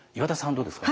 どうですか？